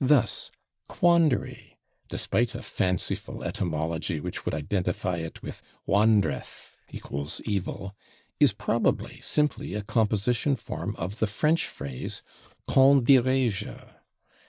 Thus, /quandary/, despite a fanciful etymology which would identify it with /wandreth/ (=/evil/), is probably simply a composition form of the French phrase, /qu'en dirai je?